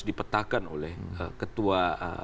dipetakan oleh ketua